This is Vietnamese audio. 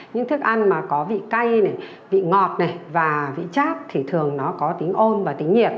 những thức ăn mà có vị cay vị ngọt và vị chát thì thường nó có tính ôm và tính nhiệt